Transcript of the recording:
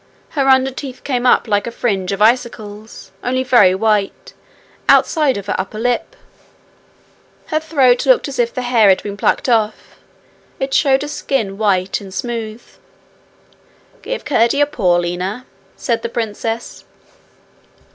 Her under teeth came up like a fringe of icicles, only very white, outside of her upper lip. Her throat looked as if the hair had been plucked off. It showed a skin white and smooth. 'Give Curdie a paw, Lina,' said the princess.